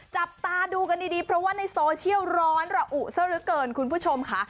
จับตาดูกันดีเพราะว่าในโซเชียลร้อนระอุซะเหลือเกินคุณผู้ชมค่ะ